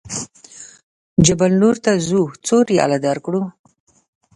جبل نور ته ځو څو ریاله درکړو.